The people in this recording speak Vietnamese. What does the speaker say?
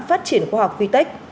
phát triển khoa học quy téc